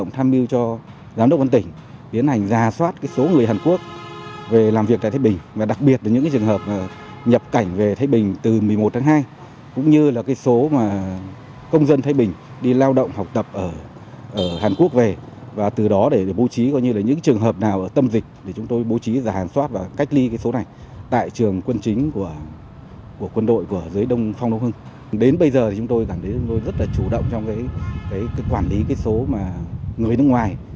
tại trường quân chính của quân đội dưới đông phong đông hưng đến bây giờ chúng tôi cảm thấy rất là chủ động trong quản lý số người nước ngoài